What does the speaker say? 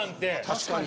確かに。